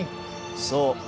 そう。